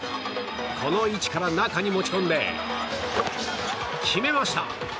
この位置から中に持ち込んで決めました。